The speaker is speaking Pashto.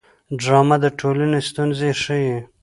ډرامه د ټولنې ستونزې ښيي